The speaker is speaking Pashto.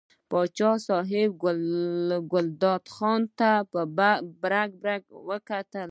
پاچا صاحب ګلداد خان ته برګ برګ وکتل.